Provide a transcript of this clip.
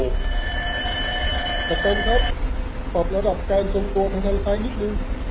ขอบคุณครับปรับระดับการส่งตัวของเธอไปนิดหนึ่ง